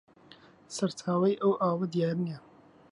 سەرچاوەی ئەو ئاوە دیار نییە